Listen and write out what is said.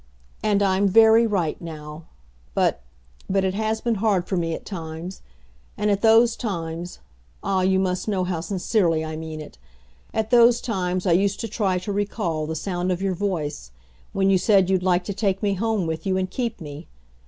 And I'm very right now. But but it has been hard for me at times. And at those times ah, you must know how sincerely I mean it at those times I used to try to recall the sound of your voice, when you said you'd like to take me home with you and keep me.